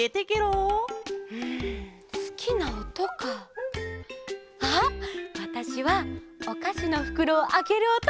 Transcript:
うんすきなおとか。あっわたしはおかしのふくろをあけるおと！